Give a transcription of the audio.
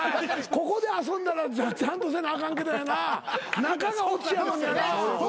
ここで遊んだらちゃんとせなあかんけどやな中がオチやのにやな。